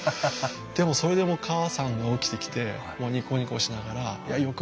でもそれでも母さんが起きてきてニコニコしながらよく来てくれたって。